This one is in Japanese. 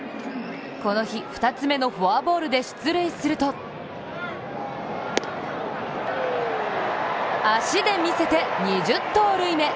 この日２つ目のフォアボールで出塁すると足でみせて、２０盗塁目。